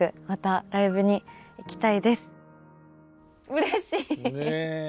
うれしい。